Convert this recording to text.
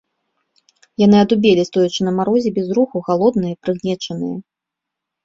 Яны адубелі, стоячы на марозе, без руху, галодныя, прыгнечаныя.